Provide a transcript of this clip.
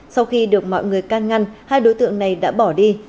sau khi được mọi người can ngăn hai đối tượng này đã bỏ đi